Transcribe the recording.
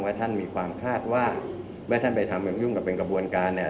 ท่านมีความคาดว่าเมื่อท่านไปทำอย่างยุ่งกับเป็นกระบวนการเนี่ย